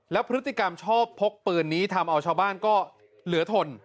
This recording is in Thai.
แล้วพฤติกรรมชอบพกปืนนี้ทำเอาชาวบ้านก็เหลือทน